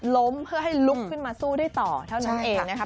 เพื่อให้ลุกขึ้นมาสู้ได้ต่อเท่านั้นเองนะคะ